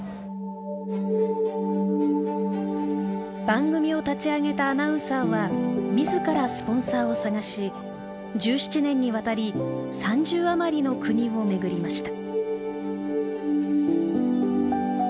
番組を立ち上げたアナウンサーは自らスポンサーを探し１７年にわたり３０余りの国を巡りました。